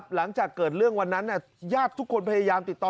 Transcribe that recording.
หลังจากเกิดเรื่องวันนั้นญาติทุกคนพยายามติดต่อ